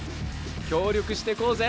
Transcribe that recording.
協力してこうぜ。